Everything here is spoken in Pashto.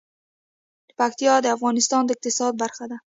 پکتیکا د افغانستان د اقتصاد برخه ده.